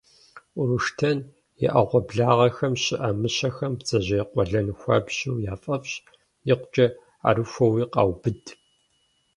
Уруштен и Ӏэгъуэблагъэхэм щыӀэ мыщэхэм бдзэжьей къуэлэн хуабжьу яфӀэфӀщ, икъукӀэ Ӏэрыхуэуи къаубыд.